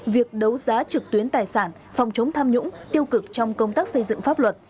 việc đấu giá trực tuyến tài sản phòng chống tham nhũng tiêu cực trong công tác xây dựng pháp luật